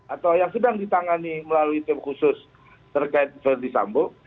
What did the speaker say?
atau yang sedang ditangani melalui tim khusus terkait verdi sambo